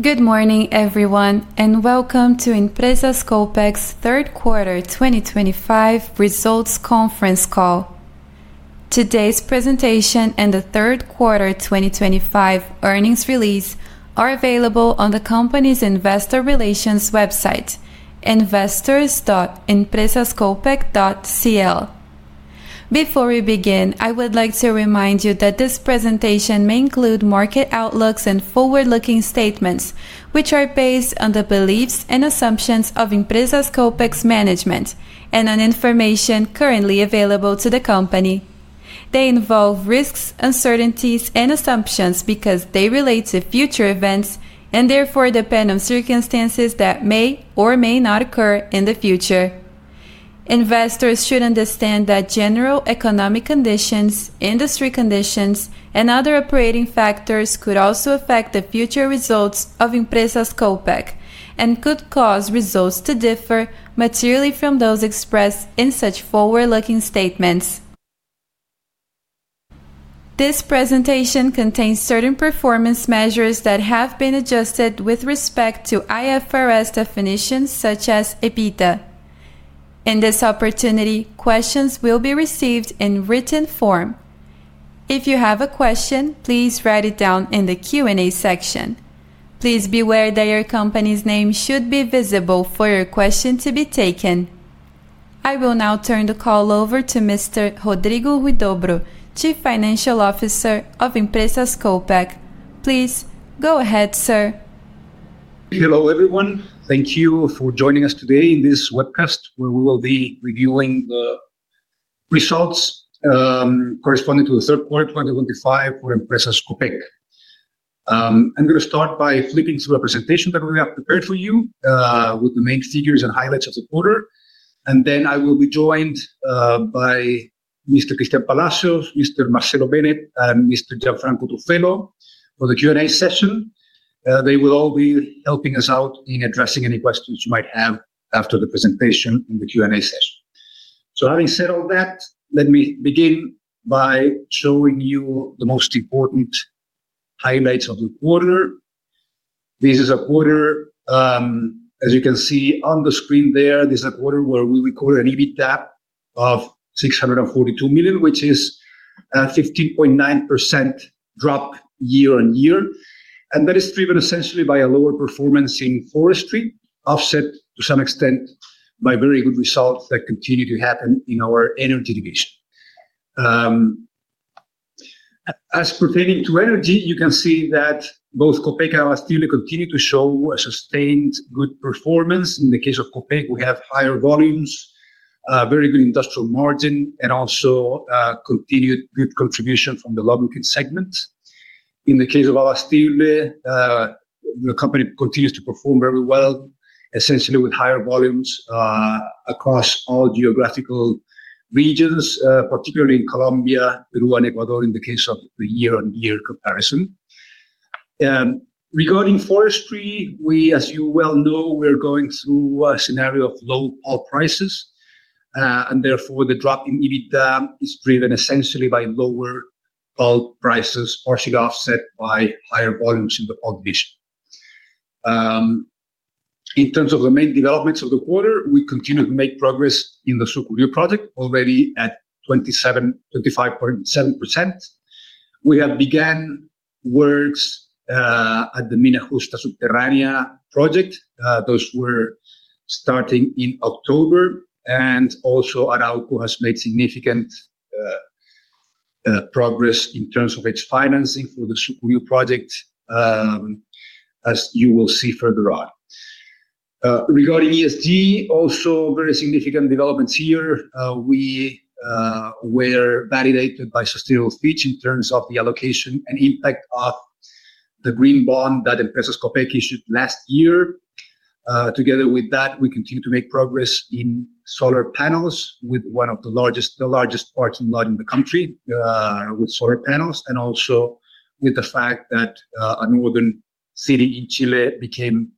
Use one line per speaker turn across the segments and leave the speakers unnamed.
Good morning, everyone, and welcome to Empresas Copec's third quarter 2025 results conference call. Today's presentation and the third quarter 2025 earnings release are available on the company's investor relations website, investors.empresascopec.cl. Before we begin, I would like to remind you that this presentation may include market outlooks and forward-looking statements, which are based on the beliefs and assumptions of Empresas Copec's management and on information currently available to the company. They involve risks, uncertainties, and assumptions because they relate to future events and therefore depend on circumstances that may or may not occur in the future. Investors should understand that general economic conditions, industry conditions, and other operating factors could also affect the future results of Empresas Copec and could cause results to differ materially from those expressed in such forward-looking statements. This presentation contains certain performance measures that have been adjusted with respect to IFRS definitions such as EBITDA. In this opportunity, questions will be received in written form. If you have a question, please write it down in the Q&A section. Please be aware that your company's name should be visible for your question to be taken. I will now turn the call over to Mr. Rodrigo Huidobro, Chief Financial Officer of Empresas Copec. Please go ahead, sir.
Hello, everyone. Thank you for joining us today in this webcast where we will be reviewing the results corresponding to third quarter 2025 for Empresas Copec. I'm going to start by flipping through a presentation that we have prepared for you with the main figures and highlights of the quarter. I will be joined by Mr. Cristián Palacios, Mr. Marcelo Bennett, and Mr. Gianfranco Truffello for the Q&A session. They will all be helping us out in addressing any questions you might have after the presentation in the Q&A session. Having said all that, let me begin by showing you the most important highlights of the quarter. This is a quarter, as you can see on the screen there. This is a quarter where we recorded an EBITDA of $642 million, which is a 15.9% drop year-on-year. That is driven essentially by a lower performance in forestry, offset to some extent by very good results that continue to happen in our energy division. As pertaining to energy, you can see that both Copec and Abastible continue to show a sustained good performance. In the case of Copec, we have higher volumes, very good industrial margin, and also continued good contribution from the lubricants segment. In the case of Abastible, the company continues to perform very well, essentially with higher volumes across all geographical regions, particularly in Colombia, Peru, and Ecuador in the case of the year-on-year comparison. Regarding forestry, we, as you well know, are going through a scenario of low pulp prices, and therefore the drop in EBITDA is driven essentially by lower pulp prices, partially offset by higher volumes in the pulp division. In terms of the main developments of the quarter, we continue to make progress in the Sucuriú project already at 25.7%. We have begun works at the Mina Justa Subterránea project. Those were starting in October. Also, Arauco has made significant progress in terms of its financing for the Sucuriú project, as you will see further on. Regarding ESG, also very significant developments here. We were validated by Sustainable Fitch in terms of the allocation and impact of the green bond that Empresas Copec issued last year. Together with that, we continue to make progress in solar panels with one of the largest parking lots in the country with solar panels, and also with the fact that a northern city in Chile became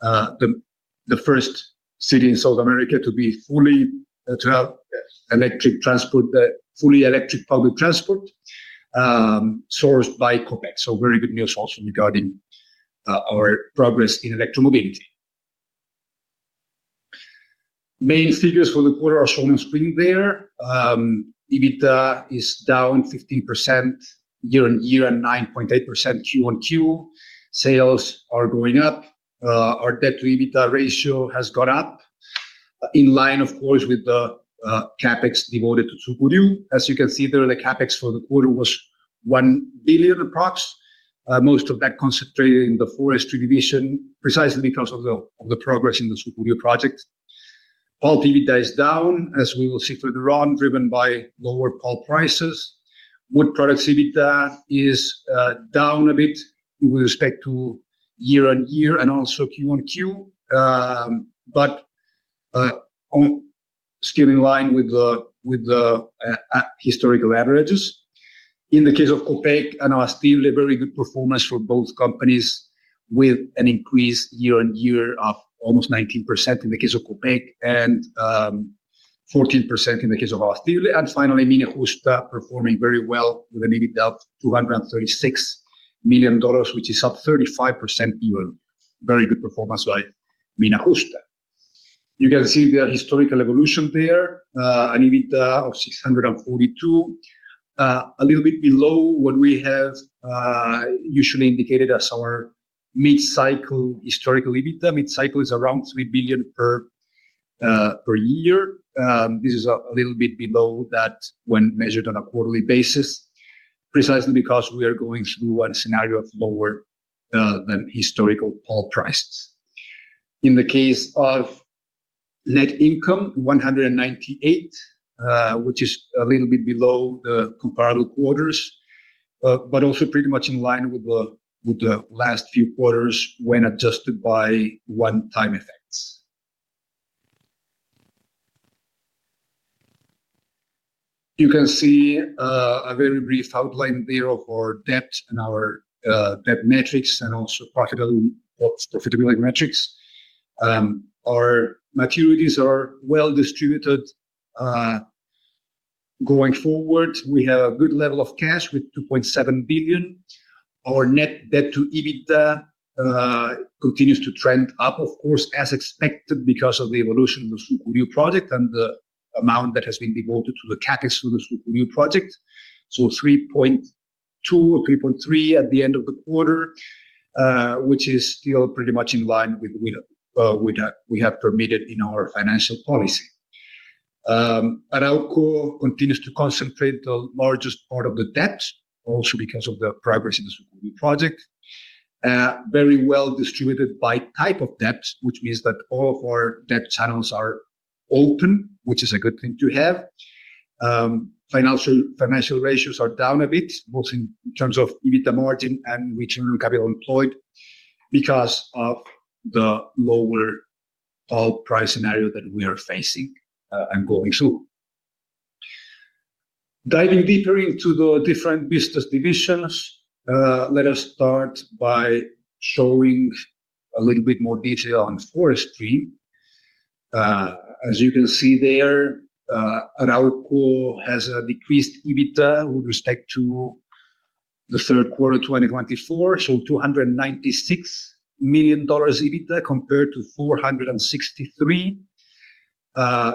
the first city in South America to have electric transport, fully electric public transport sourced by Copec. Very good news also regarding our progress in electromobility. Main figures for the quarter are shown on screen there. EBITDA is down 15% year-on-year and 9.8% QoQ. Sales are going up. Our debt-to-EBITDA ratio has gone up, in line, of course, with the CapEx devoted to Sucuriú. As you can see there, the CapEx for the quarter was $1 billion approximately, most of that concentrated in the forestry division, precisely because of the progress in the Sucuriú project. Pulp EBITDA is down, as we will see further on, driven by lower pulp prices. Wood products EBITDA is down a bit with respect to year-on-year and also QoQ, but still in line with the historical averages. In the case of Copec and Abastible, a very good performance for both companies, with an increase yearon-year of almost 19% in the case of Copec and 14% in the case of Abastible. Finally, Mina Justa performing very well with an EBITDA of $236 million, which is up 35% yearly. Very good performance by Mina Justa. You can see the historical evolution there, an EBITDA of $642 million, a little bit below what we have usually indicated as our mid-cycle historical EBITDA. Mid-cycle is around $3 billion per year. This is a little bit below that when measured on a quarterly basis, precisely because we are going through a scenario of lower than historical pulp prices. In the case of net income, $198 million, which is a little bit below the comparable quarters, but also pretty much in line with the last few quarters when adjusted by one-time effects. You can see a very brief outline there of our debt and our debt metrics and also profitability metrics. Our maturities are well distributed. Going forward, we have a good level of cash with $2.7 billion. Our net debt-to-EBITDA continues to trend up, of course, as expected because of the evolution of the Sucuri project and the amount that has been devoted to the CapEx through the Sucuriú project. So $3.2 billion or $3.3 billion at the end of the quarter, which is still pretty much in line with what we have permitted in our financial policy. Arauco continues to concentrate the largest part of the debt, also because of the progress in the Sucuriú project. Very well distributed by type of debt, which means that all of our debt channels are open, which is a good thing to have. Financial ratios are down a bit, both in terms of EBITDA margin and return on capital employed because of the lower pulp price scenario that we are facing and going through. Diving deeper into the different business divisions, let us start by showing a little bit more detail on forestry. As you can see there, Arauco has a decreased EBITDA with respect to the third quarter 2024, so $296 million EBITDA compared to $463 million.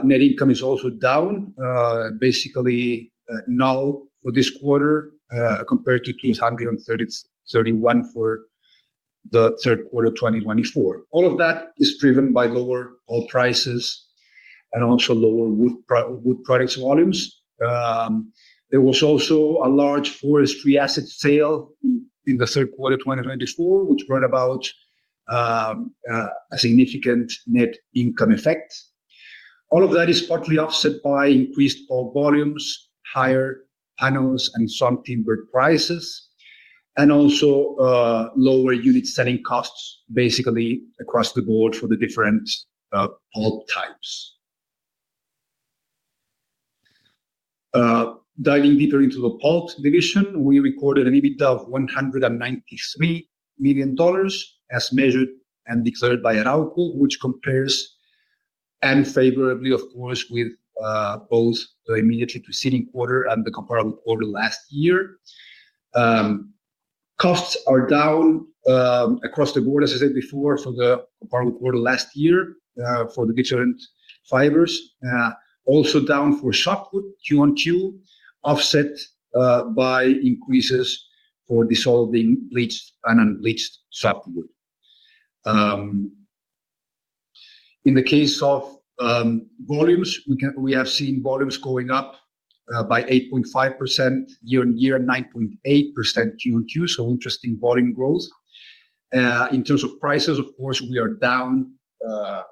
Net income is also down, basically null for this quarter compared to $231 million for the third quarter 2024. All of that is driven by lower pulp prices and also lower wood products volumes. There was also a large forestry asset sale in third quarter 2024, which brought about a significant net income effect. All of that is partly offset by increased pulp volumes, higher panels, and some timber prices, and also lower unit selling costs, basically across the board for the different pulp types. Diving deeper into the pulp division, we recorded an EBITDA of $193 million as measured and declared by Arauco, which compares favorably, of course, with both the immediately preceding quarter and the comparable quarter last year. Costs are down across the board, as I said before, for the comparable quarter last year for the different fibers. Also down for softwood, QoQ, offset by increases for dissolving, bleached, and unbleached softwood. In the case of volumes, we have seen volumes going up by 8.5% year-on-year and 9.8% QoQ, so interesting volume growth. In terms of prices, of course, we are down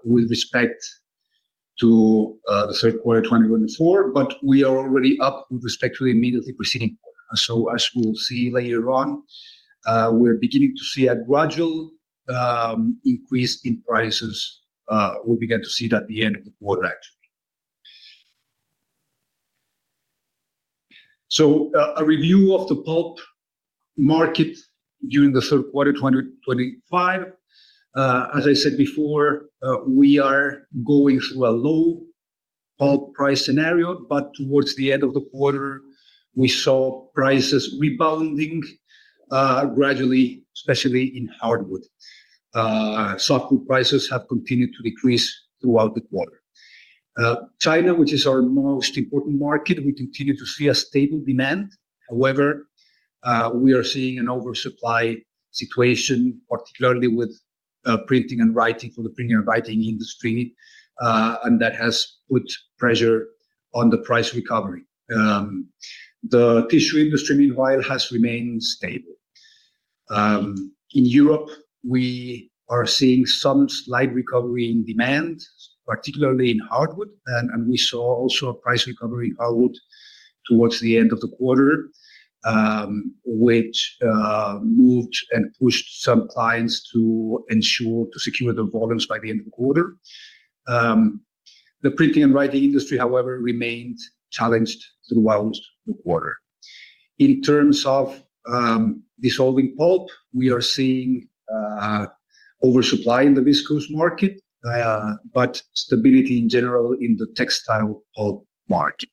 with respect to the third quarter 2024, but we are already up with respect to the immediately preceding quarter. As we'll see later on, we're beginning to see a gradual increase in prices we'll begin to see at the end of the quarter, actually. A review of the pulp market during the third quarter 2025. As I said before, we are going through a low pulp price scenario, but towards the end of the quarter, we saw prices rebounding gradually, especially in hardwood. Softwood prices have continued to decrease throughout the quarter. China, which is our most important market, we continue to see a stable demand. However, we are seeing an oversupply situation, particularly with printing and writing for the printing and writing industry, and that has put pressure on the price recovery. The tissue industry, meanwhile, has remained stable. In Europe, we are seeing some slight recovery in demand, particularly in hardwood, and we saw also a price recovery in hardwood towards the end of the quarter, which moved and pushed some clients to ensure to secure the volumes by the end of the quarter. The printing and writing industry, however, remained challenged throughout the quarter. In terms of dissolving pulp, we are seeing oversupply in the viscose market, but stability in general in the textile pulp market.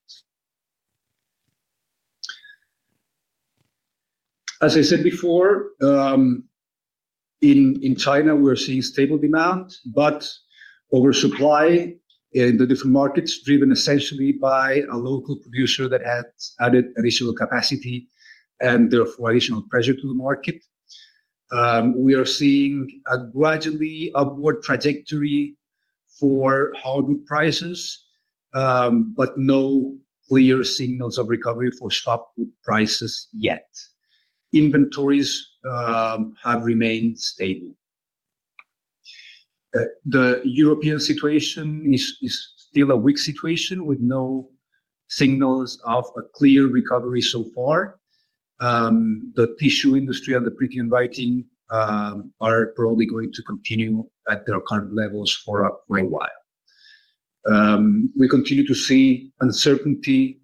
As I said before, in China, we're seeing stable demand, but oversupply in the different markets driven essentially by a local producer that had added additional capacity and therefore additional pressure to the market. We are seeing a gradually upward trajectory for hardwood prices, but no clear signals of recovery for softwood prices yet. Inventories have remained stable. The European situation is still a weak situation with no signals of a clear recovery so far. The tissue industry and the printing and writing are probably going to continue at their current levels for a while. We continue to see uncertainty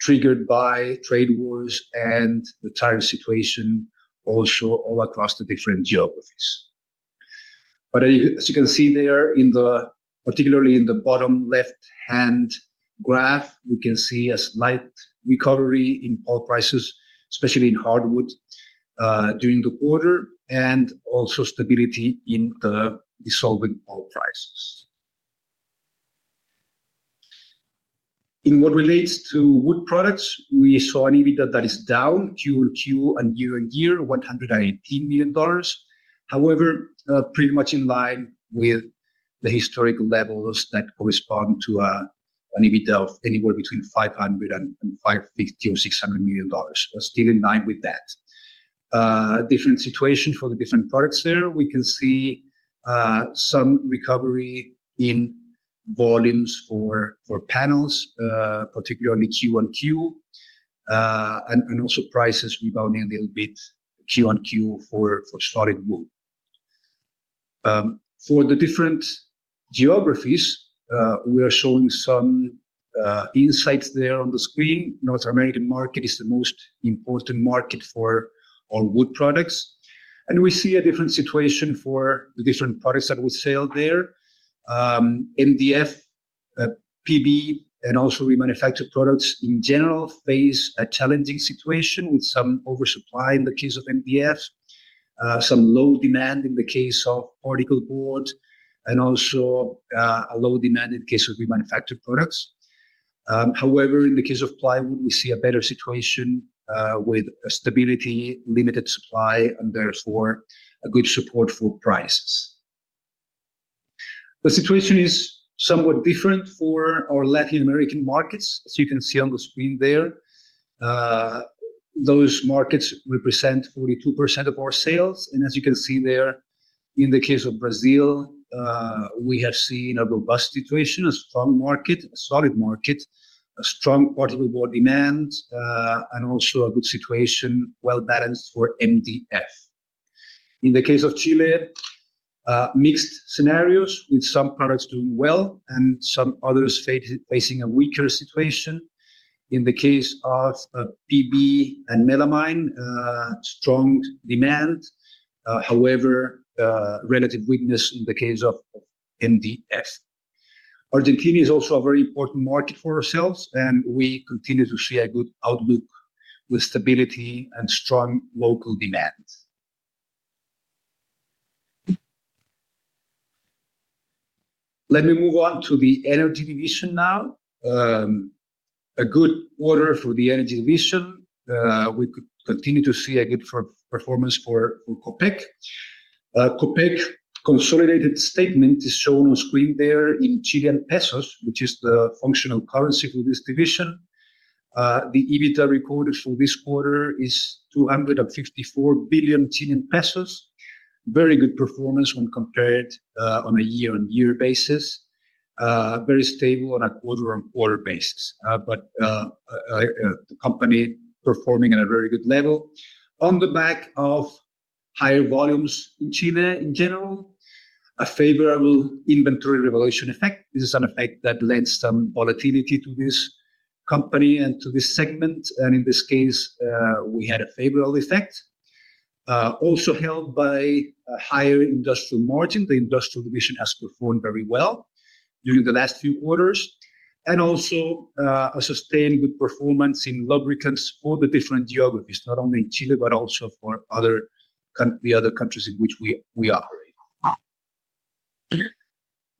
triggered by trade wars and the tariff situation also all across the different geographies. As you can see there, particularly in the bottom left-hand graph, we can see a slight recovery in pulp prices, especially in hardwood during the quarter, and also stability in the dissolving pulp prices. In what relates to wood products, we saw an EBITDA that is down QoQ and year on year, $118 million. However, pretty much in line with the historical levels that correspond to an EBITDA of anywhere between $500 million-$550 million or $600 million, but still in line with that. Different situation for the different products there. We can see some recovery in volumes for panels, particularly QoQ, and also prices rebounding a little bit QoQ for solid wood. For the different geographies, we are showing some insights there on the screen. North American market is the most important market for all wood products. We see a different situation for the different products that we sell there. MDF, PB, and also remanufactured products in general face a challenging situation with some oversupply in the case of MDF, some low demand in the case of particle board, and also a low demand in the case of remanufactured products. However, in the case of plywood, we see a better situation with stability, limited supply, and therefore a good support for prices. The situation is somewhat different for our Latin American markets, as you can see on the screen there. Those markets represent 42% of our sales. As you can see there, in the case of Brazil, we have seen a robust situation, a strong market, a solid market, a strong particle board demand, and also a good situation, well balanced for MDF. In the case of Chile, mixed scenarios with some products doing well and some others facing a weaker situation. In the case of PB and melamine, strong demand. However, relative weakness in the case of MDF. Argentina is also a very important market for ourselves, and we continue to see a good outlook with stability and strong local demand. Let me move on to the energy division now. A good quarter for the energy division. We continue to see a good performance for Copec. Copec consolidated statement is shown on screen there in Chilean pesos, which is the functional currency for this division. The EBITDA recorded for this quarter is 254 billion Chilean pesos. Very good performance when compared on a year-on-year basis. Very stable on a quarter-on-quarter basis, but the company performing at a very good level. On the back of higher volumes in Chile in general, a favorable inventory revaluation effect. This is an effect that led some volatility to this company and to this segment. In this case, we had a favorable effect. Also helped by a higher industrial margin, the industrial division has performed very well during the last few quarters. Also a sustained good performance in lubricants for the different geographies, not only in Chile, but also for the other countries in which we operate.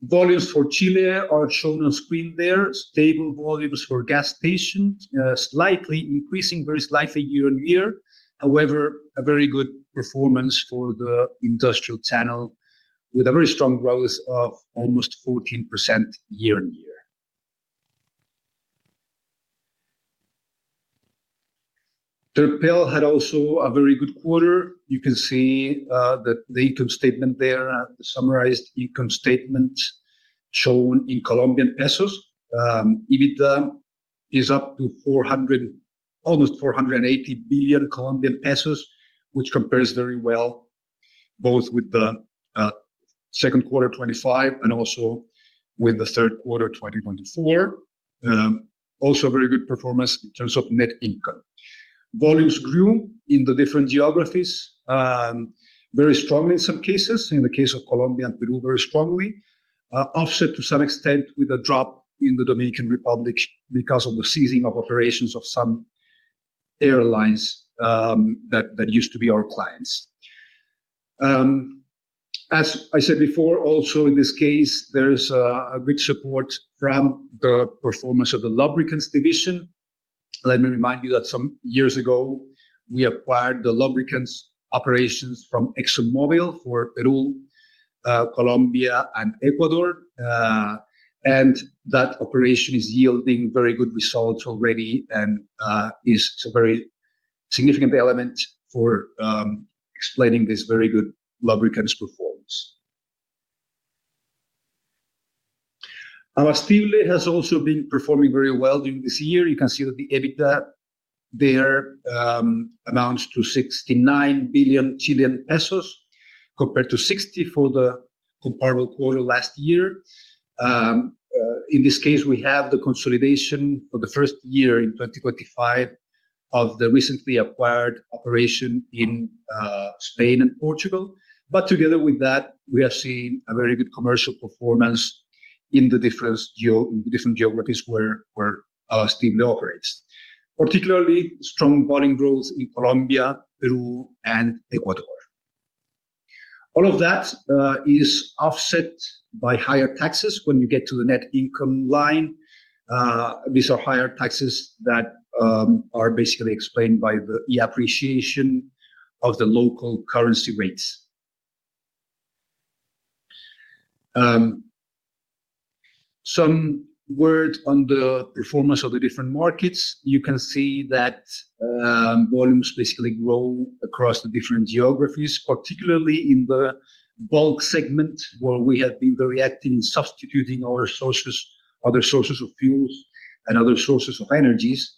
Volumes for Chile are shown on screen there. Stable volumes for gas stations, slightly increasing, very slightly year on year. However, a very good performance for the industrial channel with a very strong growth of almost 14% year-on-year. Terpel had also a very good quarter. You can see the income statement there, the summarized income statement shown in Colombian pesos. EBITDA is up to almost 480 billion pesos, which compares very well both with the secon quarter 2025 and also with third quarter 2024. Also a very good performance in terms of net income. Volumes grew in the different geographies very strongly in some cases. In the case of Colombia and Peru, very strongly. Offset to some extent with a drop in the Dominican Republic because of the ceasing of operations of some airlines that used to be our clients. As I said before, also in this case, there's a good support from the performance of the lubricants division. Let me remind you that some years ago, we acquired the lubricants operations from ExxonMobil for Peru, Colombia, and Ecuador. That operation is yielding very good results already and is a very significant element for explaining this very good lubricants performance. Abastible has also been performing very well during this year. You can see that the EBITDA there amounts to 69 billion Chilean pesos compared to 60 billion for the comparable quarter last year. In this case, we have the consolidation for the first year in 2025 of the recently acquired operation in Spain and Portugal. Together with that, we have seen a very good commercial performance in the different geographies where Abastible operates. Particularly strong volume growth in Colombia, Peru, and Ecuador. All of that is offset by higher taxes when you get to the net income line. These are higher taxes that are basically explained by the appreciation of the local currency rates. Some words on the performance of the different markets. You can see that volumes basically grow across the different geographies, particularly in the bulk segment where we have been very active in substituting other sources of fuels and other sources of energies.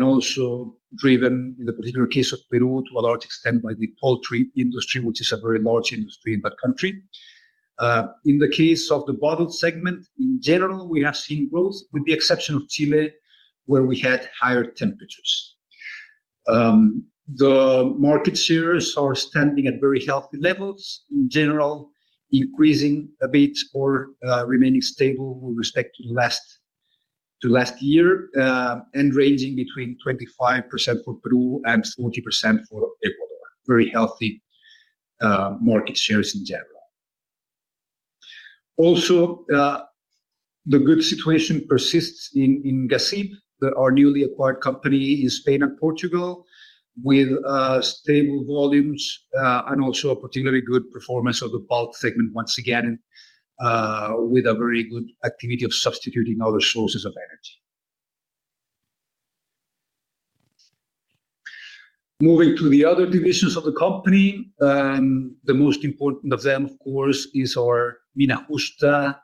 Also driven, in the particular case of Peru, to a large extent by the poultry industry, which is a very large industry in that country. In the case of the bottled segment, in general, we have seen growth with the exception of Chile, where we had higher temperatures. The market shares are standing at very healthy levels, in general, increasing a bit or remaining stable with respect to last year, and ranging between 25% for Peru and 40% for Ecuador. Very healthy market shares in general. Also, the good situation persists in Abastible, our newly acquired company in Spain and Portugal, with stable volumes and also a particularly good performance of the bulk segment once again, with a very good activity of substituting other sources of energy. Moving to the other divisions of the company, the most important of them, of course, is our Mina Justa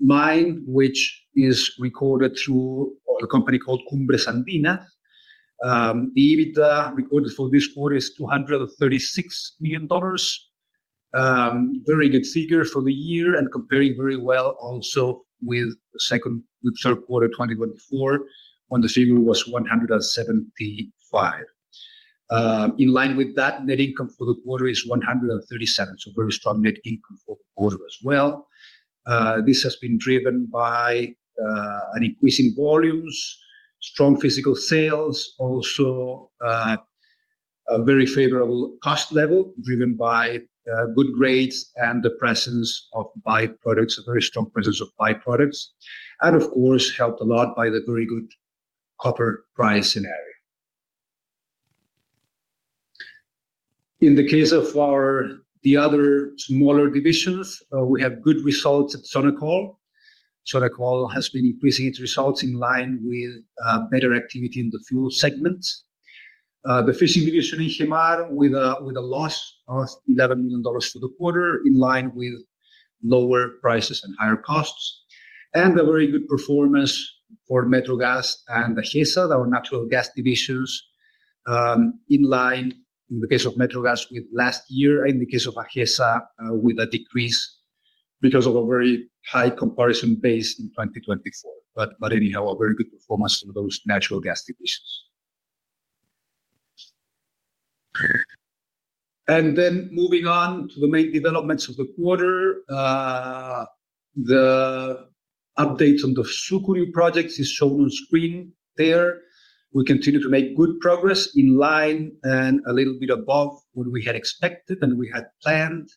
mine, which is recorded through a company called Cumbres Andinas. The EBITDA recorded for this quarter is $236 million. Very good figure for the year and comparing very well also with the third 2024, when the figure was $175 million. In line with that, net income for the quarter is $137 million, so very strong net income for the quarter as well. This has been driven by increasing volumes, strong physical sales, also a very favorable cost level driven by good grades and the presence of byproducts, a very strong presence of byproducts. Of course, helped a lot by the very good copper price scenario. In the case of the other smaller divisions, we have good results at Sonacol. Sonacol has been increasing its results in line with better activity in the fuel segment. The fishing division in Igemar, with a loss of $11 million for the quarter, in line with lower prices and higher costs. A very good performance for MetroGas and Agesa, our natural gas divisions, in line, in the case of MetroGas, with last year, and in the case of Agesa, with a decrease because of a very high comparison base in 2024. Anyhow, a very good performance for those natural gas divisions. Moving on to the main developments of the quarter, the update on the Sucuriú project is shown on screen there. We continue to make good progress in line and a little bit above what we had expected and we had planned.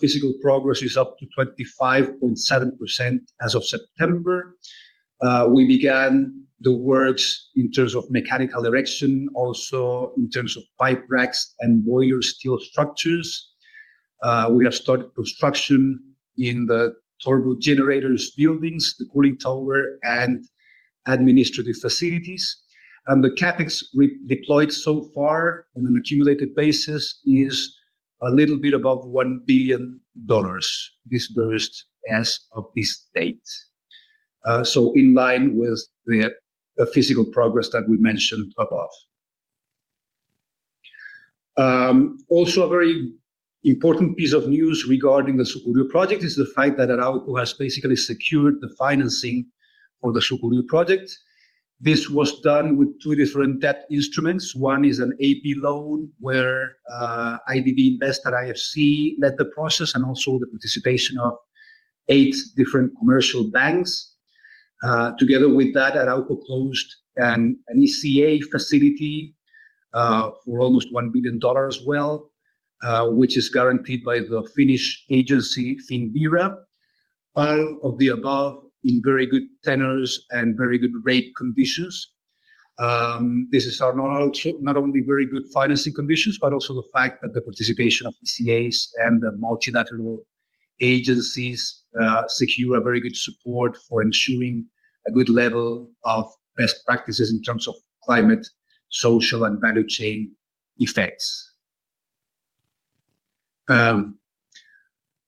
Physical progress is up to 25.7% as of September. We began the works in terms of mechanical erection, also in terms of pipe racks and boiler steel structures. We have started construction in the turbo generators buildings, the cooling tower, and administrative facilities. The CapEx deployed so far on an accumulated basis is a little bit above $1 billion disbursed as of this date, in line with the physical progress that we mentioned above. Also, a very important piece of news regarding the Sucuriú project is the fact that Arauco has basically secured the financing for the Sucuriú project. This was done with two different debt instruments. One is an AP loan where IDB Invest and IFC led the process and also the participation of eight different commercial banks. Together with that, Arauco closed an ECA facility for almost $1 billion as well, which is guaranteed by the Finnish agency, Finvira. All of the above in very good tenors and very good rate conditions. This is not only very good financing conditions, but also the fact that the participation of ECAs and the multilateral agencies secure a very good support for ensuring a good level of best practices in terms of climate, social, and value chain effects.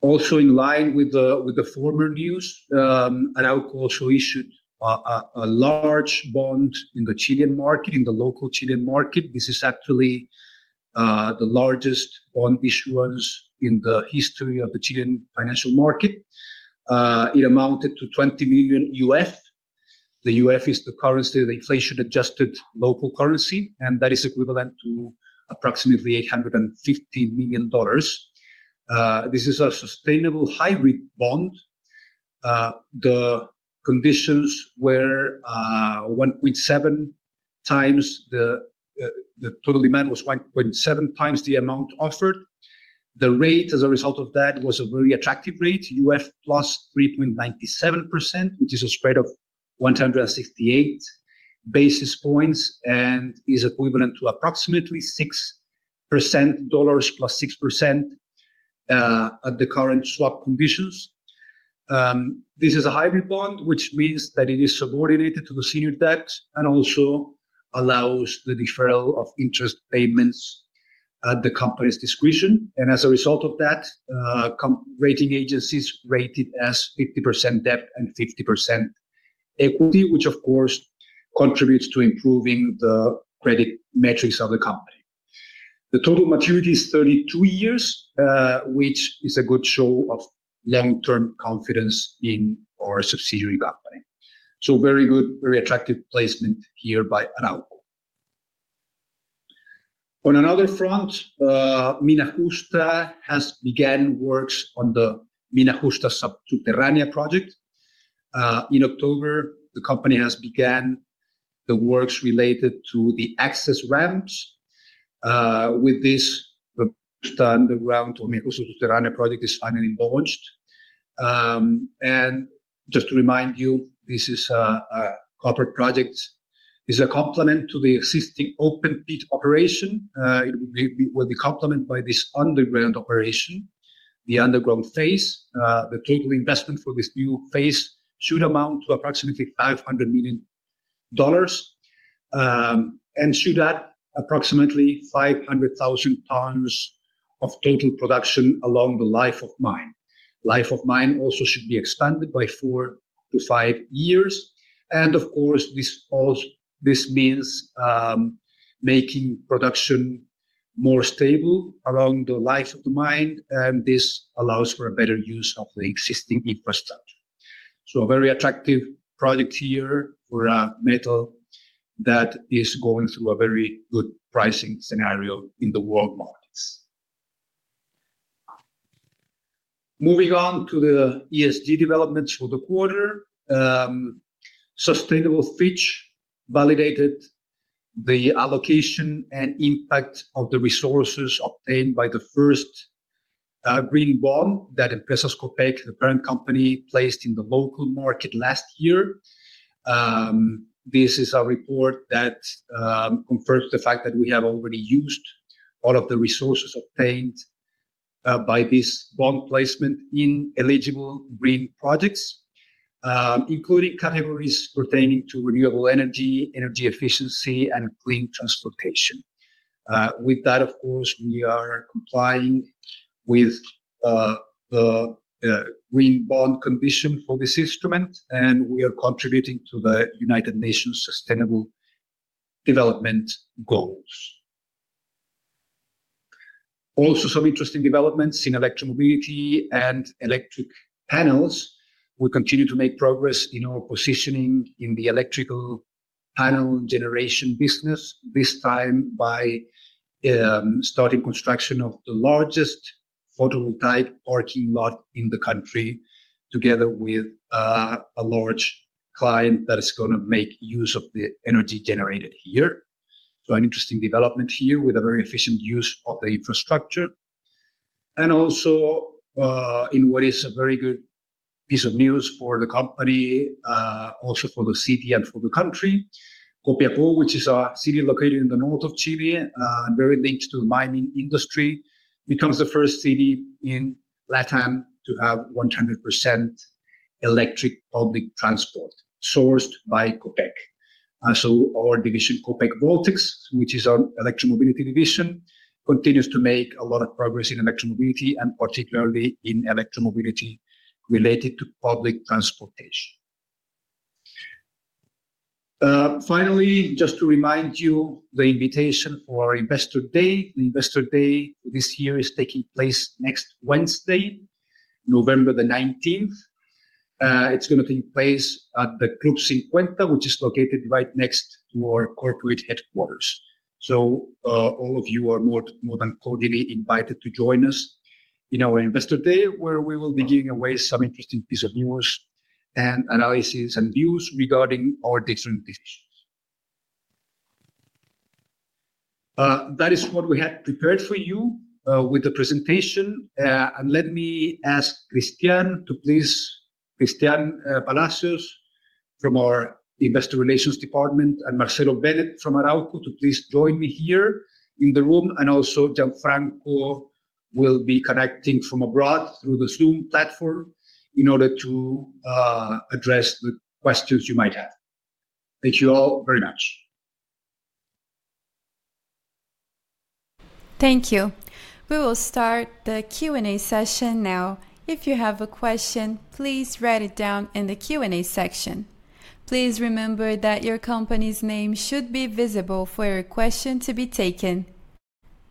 Also, in line with the former news, Arauco also issued a large bond in the Chilean market, in the local Chilean market. This is actually the largest bond issuance in the history of the Chilean financial market. It amounted to CLF 20 million. The UF is the currency, the inflation-adjusted local currency, and that is equivalent to approximately $850 million. This is a sustainable hybrid bond. The conditions were 1.7x the total demand was 1.7x the amount offered. The rate, as a result of that, was a very attractive rate, UF plus 3.97%, which is a spread of 168 basis points and is equivalent to approximately $6% at the current swap conditions. This is a hybrid bond, which means that it is subordinated to the senior debt and also allows the deferral of interest payments at the company's discretion. As a result of that, rating agencies rated as 50% debt and 50% equity, which of course contributes to improving the credit metrics of the company. The total maturity is 32 years, which is a good show of long-term confidence in our subsidiary company. Very good, very attractive placement here by Arauco. On another front, Mina Justa has begun works on the Mina Justa Subterránea project. In October, the company has begun the works related to the access ramps. With this, the Justa underground or Mina Justa Subterránea project is finally launched. Just to remind you, this is a copper project. It is a complement to the existing open pit operation. It will be complemented by this underground operation, the underground phase. The total investment for this new phase should amount to approximately $500 million. It should add approximately 500,000 tons of total production along the life of mine. Life of mine also should be expanded by four to five years. Of course, this means making production more stable along the life of the mine. This allows for a better use of the existing infrastructure. A very attractive project here for metal that is going through a very good pricing scenario in the world markets. Moving on to the ESG developments for the quarter, Sustainable Fitch validated the allocation and impact of the resources obtained by the first green bond that Empresas Copec, the parent company, placed in the local market last year. This is a report that confirms the fact that we have already used all of the resources obtained by this bond placement in eligible green projects, including categories pertaining to renewable energy, energy efficiency, and clean transportation. With that, of course, we are complying with the green bond condition for this instrument, and we are contributing to the United Nations Sustainable Development Goals. Also, some interesting developments in electromobility and electric panels. We continue to make progress in our positioning in the electrical panel generation business, this time by starting construction of the largest photovoltaic parking lot in the country, together with a large client that is going to make use of the energy generated here. An interesting development here with a very efficient use of the infrastructure. Also, in what is a very good piece of news for the company, also for the city and for the country, Calama, which is a city located in the north of Chile and very linked to the mining industry, becomes the first city in Latin America to have 100% electric public transport sourced by Copec. Our division, Copec Voltex, which is our electromobility division, continues to make a lot of progress in electromobility and particularly in electromobility related to public transportation. Finally, just to remind you of the invitation for our Investor Day. The Investor Day this year is taking place next Wednesday, November 19th. It is going to take place at the Club Cincuenta, which is located right next to our corporate headquarters. All of you are more than cordially invited to join us in our Investor Day, where we will be giving away some interesting pieces of news and analysis and views regarding our different divisions. That is what we had prepared for you with the presentation. Let me ask Cristián to please, Cristián Palacios from our Investor Relations Department and Marcelo Bennett from Arauco to please join me here in the room. Also, Gianfranco will be connecting from abroad through the Zoom platform in order to address the questions you might have. Thank you all very much.
Thank you. We will start the Q&A session now. If you have a question, please write it down in the Q&A section. Please remember that your company's name should be visible for your question to be taken.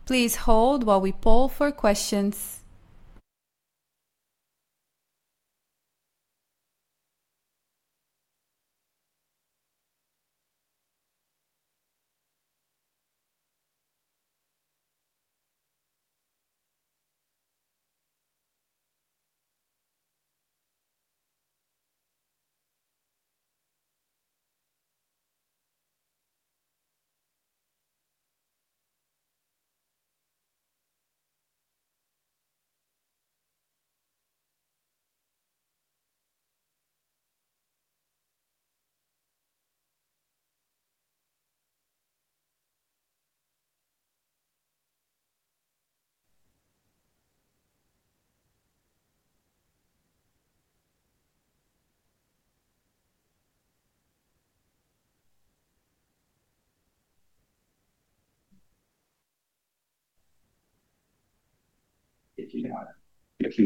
Please hold while we poll for questions.
Okay,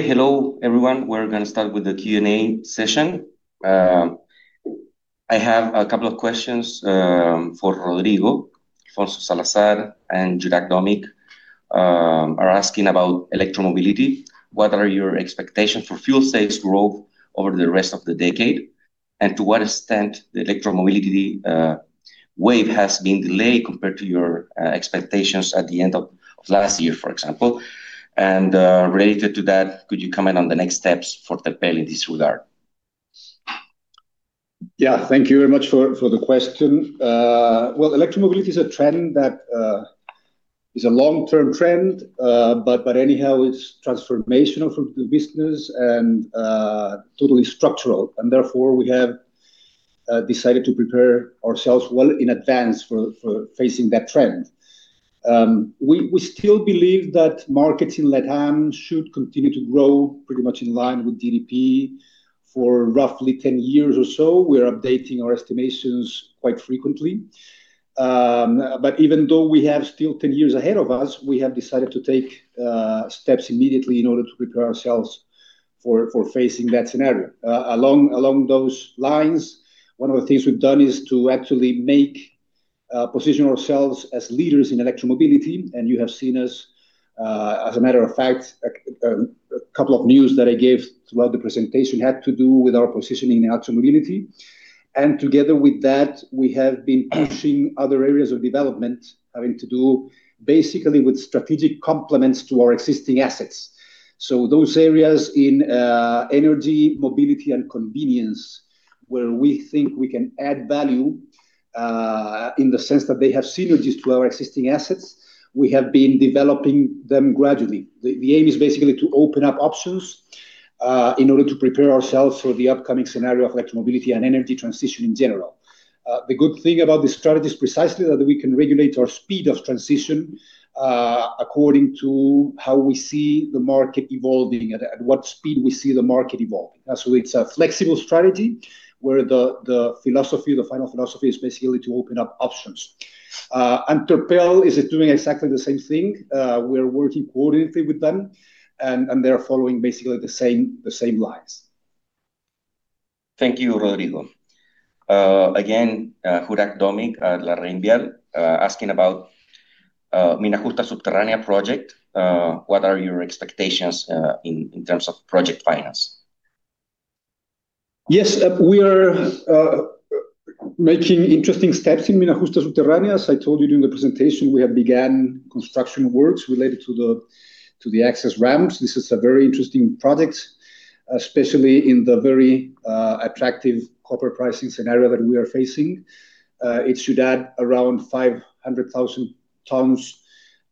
hello everyone. We're going to start with the Q&A session. I have a couple of questions for Rodrigo. Alfonso Salazar and Juraj Domic are asking about electromobility. What are your expectations for fuel-safe growth over the rest of the decade? To what extent has the electromobility wave been delayed compared to your expectations at the end of last year, for example? Related to that, could you comment on the next steps for Terpel in this regard?
Yeah, thank you very much for the question. Electromobility is a trend that is a long-term trend, but anyhow, it is transformational for the business and totally structural. Therefore, we have decided to prepare ourselves well in advance for facing that trend. We still believe that markets in Latin should continue to grow pretty much in line with GDP for roughly 10 years or so. We are updating our estimations quite frequently. Even though we have still 10 years ahead of us, we have decided to take steps immediately in order to prepare ourselves for facing that scenario. Along those lines, one of the things we have done is to actually position ourselves as leaders in electromobility. You have seen us, as a matter of fact, a couple of news that I gave throughout the presentation had to do with our positioning in electromobility. Together with that, we have been pushing other areas of development having to do basically with strategic complements to our existing assets. Those areas in energy, mobility, and convenience where we think we can add value in the sense that they have synergies to our existing assets, we have been developing them gradually. The aim is basically to open up options in order to prepare ourselves for the upcoming scenario of electromobility and energy transition in general. The good thing about this strategy is precisely that we can regulate our speed of transition according to how we see the market evolving, at what speed we see the market evolving. It is a flexible strategy where the philosophy, the final philosophy is basically to open up options. Terpel is doing exactly the same thing. We are working coordinated with them, and they are following basically the same lines.
Thank you, Rodrigo. Again, Juraj Domic at LarrainVial asking about Mina Justa Subterránea project. What are your expectations in terms of project finance?
Yes, we are making interesting steps in Mina Justa Subterránea. As I told you during the presentation, we have begun construction works related to the access ramps. This is a very interesting project, especially in the very attractive copper pricing scenario that we are facing. It should add around 500,000 tons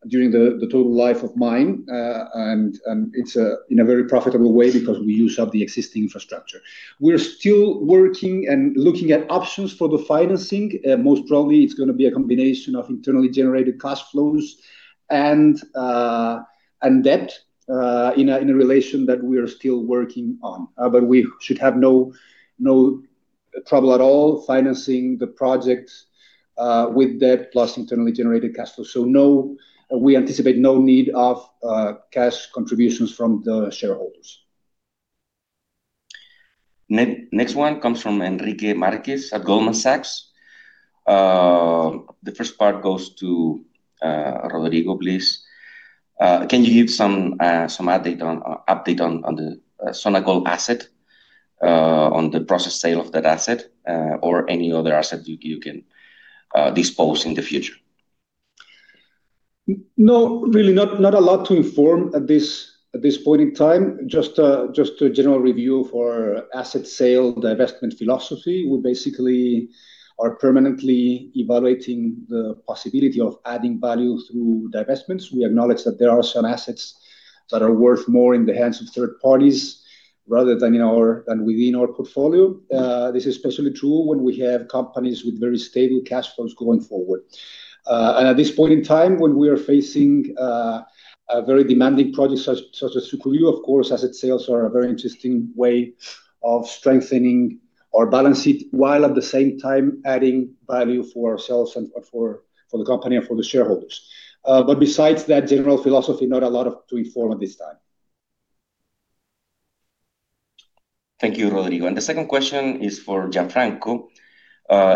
during the total life of mine. It is in a very profitable way because we use up the existing infrastructure. We are still working and looking at options for the financing. Most probably, it is going to be a combination of internally generated cash flows and debt in a relation that we are still working on. We should have no trouble at all financing the project with debt plus internally generated cash flows. We anticipate no need of cash contributions from the shareholders.
Next one comes from Enrique Marquez at Goldman Sachs. The first part goes to Rodrigo, please. Can you give some update on the Sonacol asset, on the process sale of that asset, or any other asset you can dispose in the future?
No, really not a lot to inform at this point in time. Just a general review for asset sale, divestment philosophy. We basically are permanently evaluating the possibility of adding value through divestments. We acknowledge that there are some assets that are worth more in the hands of third parties rather than within our portfolio. This is especially true when we have companies with very stable cash flows going forward. At this point in time, when we are facing a very demanding project such as Sucuri, of course, asset sales are a very interesting way of strengthening or balancing while at the same time adding value for ourselves and for the company and for the shareholders. Besides that general philosophy, not a lot to inform at this time.
Thank you, Rodrigo. The second question is for Gianfranco.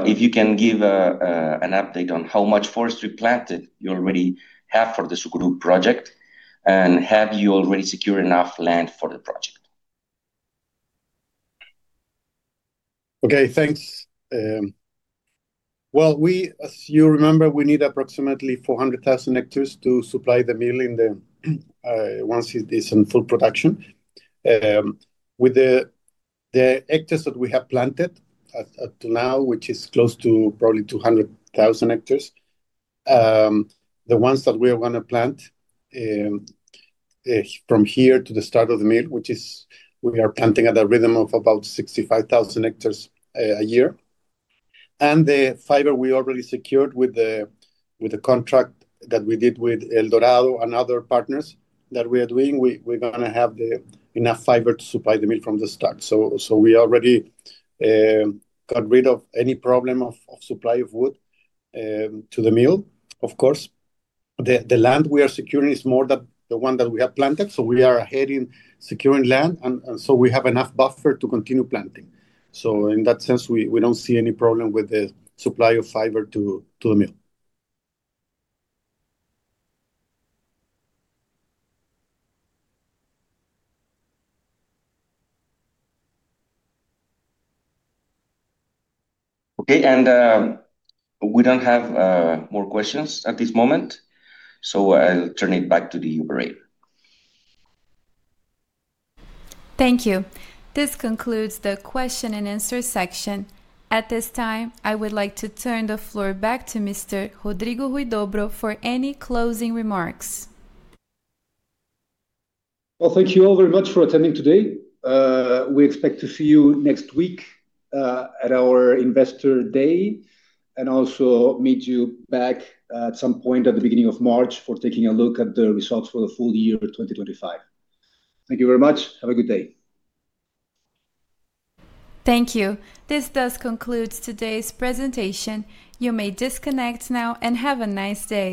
If you can give an update on how much forestry planted you already have for the Sucuri project, and have you already secured enough land for the project?
Thank you. As you remember, we need approximately 400,000 hectares to supply the mill once it is in full production. With the hectares that we have planted to now, which is close to probably 200,000 hectares, the ones that we are going to plant from here to the start of the mill, which is we are planting at a rhythm of about 65,000 hectares a year. The fiber we already secured with the contract that we did with Eldorado and other partners that we are doing, we are going to have enough fiber to supply the mill from the start. We already got rid of any problem of supply of wood to the mill, of course. The land we are securing is more than the one that we have planted. We are ahead in securing land, and we have enough buffer to continue planting. In that sense, we do not see any problem with the supply of fiber to the mill.
Okay, and we don't have more questions at this moment. I'll turn it back to you, Barrett.
Thank you. This concludes the question and answer section. At this time, I would like to turn the floor back to Mr. Rodrigo Huidobro for any closing remarks.
Thank you all very much for attending today. We expect to see you next week at our Investor Day and also meet you back at some point at the beginning of March for taking a look at the results for the full year 2025. Thank you very much. Have a good day.
Thank you. This does conclude today's presentation. You may disconnect now and have a nice day.